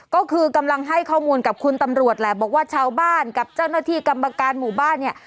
ก็คือกำลังให้ข้อมูลกับคุณตำรวจแหละบอกว่าชาวบ้านกับเจ้าหน้าที่กรรมการหมู่บ้านเนี่ย